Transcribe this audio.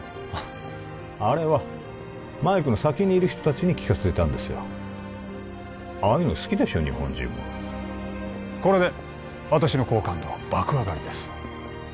あれはマイクの先にいる人達に聞かせていたんですよああいうの好きでしょ日本人はこれで私の好感度は爆上がりです